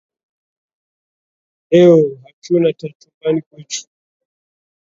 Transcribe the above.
Eoo hachuna taa chumbani kwechu